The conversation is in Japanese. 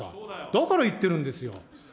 だから言ってるんですよ。